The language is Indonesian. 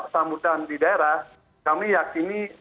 sambutan di daerah kami yakini